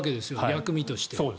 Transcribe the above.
薬味として。